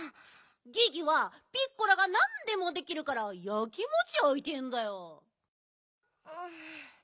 ギギはピッコラがなんでもできるからやきもちやいてんだよ。